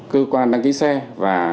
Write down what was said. cơ quan đăng ký xe và